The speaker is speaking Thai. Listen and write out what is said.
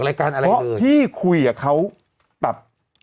แล้วคุยเขาแบบ